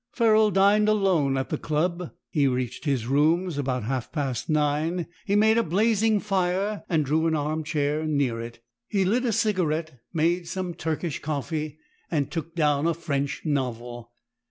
Ferrol dined alone at the Club; he reached his rooms about half past nine; he made up a blazing fire and drew an armchair near it. He lit a cigarette, made some Turkish coffee, and took down a French novel.